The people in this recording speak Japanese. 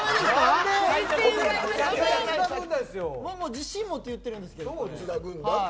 自信を持って言ってるんですけど。